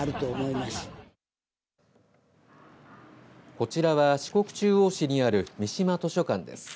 こちらは四国中央市にある三島図書館です。